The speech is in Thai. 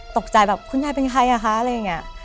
ตกใจแบบคุณยายเป็นใครอ่ะคะอะไรอย่างนี้